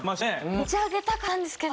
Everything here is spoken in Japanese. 持ち上げたかったんですけど。